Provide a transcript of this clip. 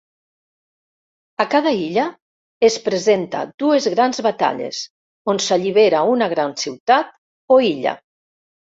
A cada illa, es presenta dues grans batalles, on s'allibera una gran ciutat o illa.